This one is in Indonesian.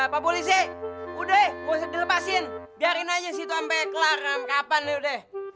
pak polisi udah gue bisa dilepasin biarin aja sih itu sampai kelar kapan nih udah